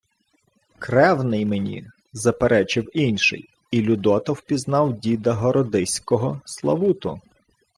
— Кревний мені, — заперечив інший, і Людота впізнав діда городиського Славуту.